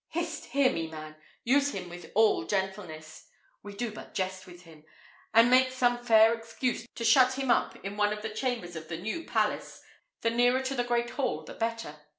Hist! hear me, man! Use him with all gentleness (we do but jest with him), and make some fair excuse to shut him up in one of the chambers of the new palace, the nearer to the great hall the better.